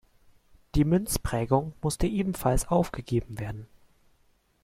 Die Münzprägung musste ebenfalls aufgegeben werden.